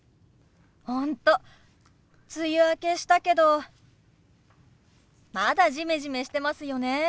本当梅雨明けしたけどまだジメジメしてますよね。